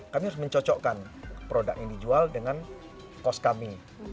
kami harus mencocokkan produk yang dijual dengan cost kami